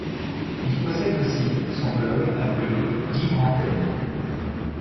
Il possède aussi son blog appelé Libre Antenne.